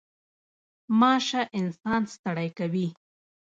غوماشه انسان ستړی کوي.